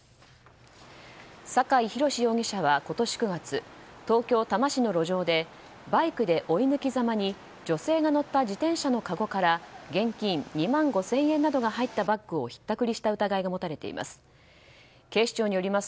酒井弘容疑者は、今年９月東京・多摩市の路上でバイクで追い抜きざまに女性が乗った自転車のかごから現金２万５０００などが入ったバッグをひったくりした疑いが持たれています。